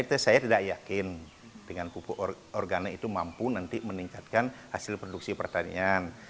itu saya tidak yakin dengan pupuk organik itu mampu nanti meningkatkan hasil produksi pertanian